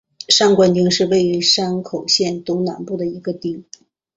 上关町是位于山口县东南部的一町。